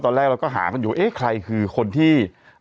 ตอนแรกเราก็หากันอยู่ว่าเอ๊ะใครคือคนที่